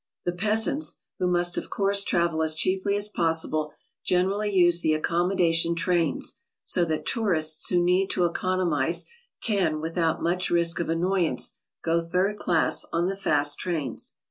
The peasants, who must of course travel as cheaply as possible, generally use the accommodation trains, so that tourists who need to economize can without much risk of annoyance go third class on the fast trains.